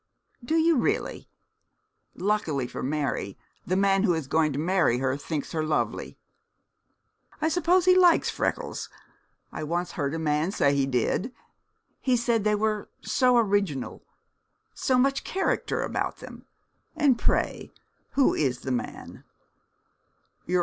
'Do you really? Luckily for Mary the man who is going to marry her thinks her lovely.' 'I suppose he likes freckles. I once heard a man say he did. He said they were so original so much character about them. And, pray, who is the man?'